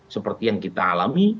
seperti yang kita alami